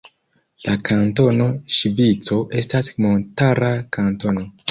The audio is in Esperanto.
La Kantono Ŝvico estas montara kantono.